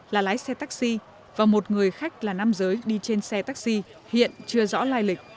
là lái xe taxi và một người khách là nam giới đi trên xe taxi hiện chưa rõ lai lịch